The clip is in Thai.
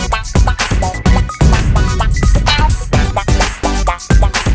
แสนหรือแสนอย่างรัก